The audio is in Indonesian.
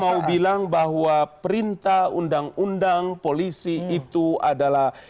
saya mau bilang bahwa perintah undang undang polisi itu adalah